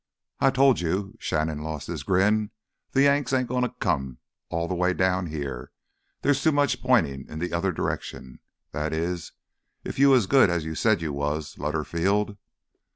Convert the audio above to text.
"I told you"—Shannon lost his grin—"th' Yanks ain't gonna come all th' way down here! There's too much pointin' in th' other direction. That is, if you was as good as you said you was, Lutterfield!"